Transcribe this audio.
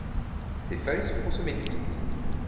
Ses feuilles sont consommés cuites.